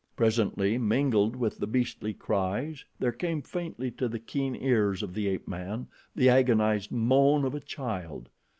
Presently, mingled with the beastly cries, there came faintly to the keen ears of the ape man, the agonized moan of a child.